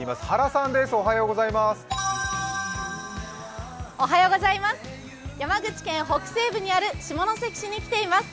山口県北西部にある下関市に来ています。